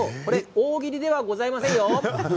大喜利ではございませんよ。